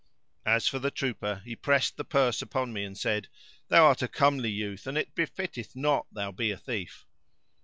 As for the trooper he pressed the purse upon me, and said, "Thou art a comely youth and it befitteth not thou be a thief."